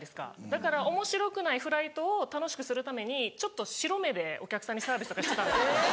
だからおもしろくないフライトを楽しくするためにちょっと白目でお客さんにサービスとかしてたんですよ。